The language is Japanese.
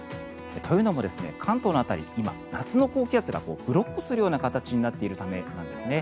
というのも、関東の辺り今、夏の高気圧がブロックするような形になっているためなんですね。